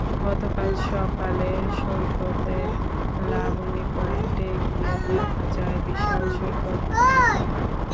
গতকাল সকালে সৈকতের লাবণী পয়েন্টে গিয়ে দেখা যায়, বিশাল সৈকত প্রায় ফাঁকা।